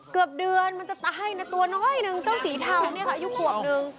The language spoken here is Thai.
เกือบเดือนมันจะตายนะตัวน้อยหนึ่งเจ้าสีเทาอยู่กว่างนึง